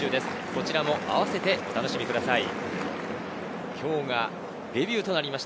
こちらもあわせてお楽しみください。